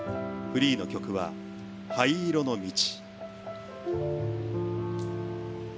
フリーの曲は「灰色の途」。